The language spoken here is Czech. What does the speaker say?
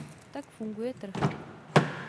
Tak funguje trh.